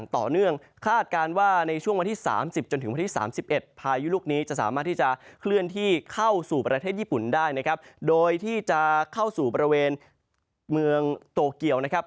ที่เข้าสู่ประเทศญี่ปุ่นได้นะครับโดยที่จะเข้าสู่บริเวณเมืองโตเกียวนะครับ